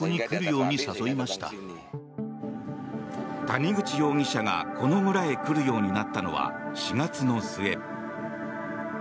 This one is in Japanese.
谷口容疑者が、この村へ来るようになったのは４月の末。